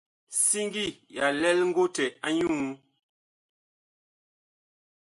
Siŋgi ya lɛl ngotɛ a nyuú.